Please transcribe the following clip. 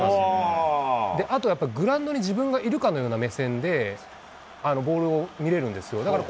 あとはグラウンドに自分がいるかのような目線でボールを見れるんですよ。